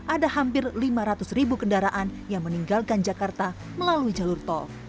ada hampir lima ratus ribu kendaraan yang meninggalkan jakarta melalui jalur tol